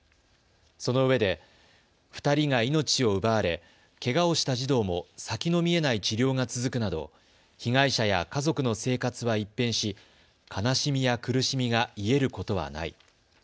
そのうえで２人が命を奪われけがをした児童も、先の見えない治療が続くなど被害者や家族の生活は一変し悲しみや苦しみが癒えることはない。